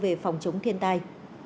về phòng chống thiên tai